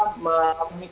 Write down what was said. nangis juga bukan gitu ya